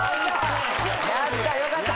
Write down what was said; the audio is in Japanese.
やった！よかった。